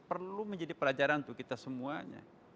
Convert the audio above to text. perlu menjadi pelajaran untuk kita semuanya